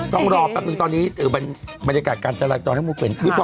ต้องรอแปบนึงตอนนี้บรรยากาศการจัดรักต่อให้มุกเป็น